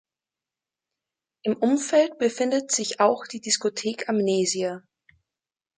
Im Umfeld befindet sich auch die Diskothek Amnesia.